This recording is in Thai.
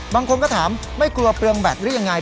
บางคนก็ถามไม่กลัวเปลืองแบตหรือยังไง